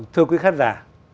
thưa quý khán giả